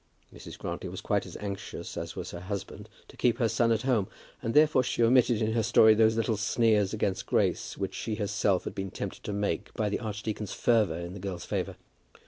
Mrs. Grantly was quite as anxious as was her husband to keep her son at home, and therefore she omitted in her story those little sneers against Grace which she herself had been tempted to make by the archdeacon's fervour in the girl's favour.